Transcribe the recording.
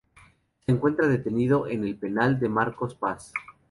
Se encuentra detenido en el penal de Marcos Paz.